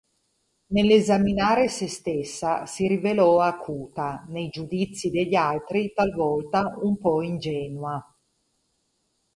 Nell'esaminare sé stessa si rivelò acuta, nei giudizi degli altri, talvolta, un po' ingenua.